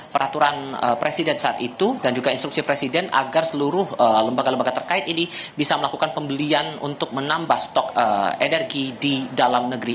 peraturan presiden saat itu dan juga instruksi presiden agar seluruh lembaga lembaga terkait ini bisa melakukan pembelian untuk menambah stok energi di dalam negeri